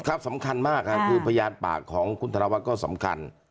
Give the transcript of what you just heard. สำคัญมากครับคือพยานปากของคุณธนวัฒน์ก็สำคัญ